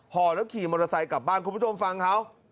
ห่อแล้วขี่มอเตอร์ไซค์กลับบ้านคุณผู้ชมฟังเขา